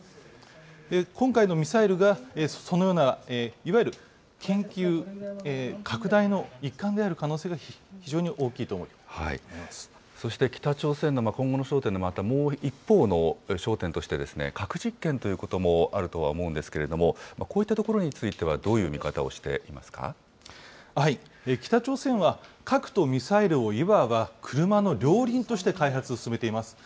今回のミサイルがそのようないわゆる研究拡大の一環である可能性そして北朝鮮の今後の焦点のまたもう一方の焦点として、核実験ということもあるとは思うんですけれども、こういったところについては、どういう見方をしてい北朝鮮は、核とミサイルをいわば車の両輪として開発を進めています。